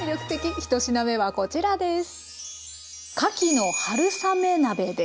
１品目はこちらです。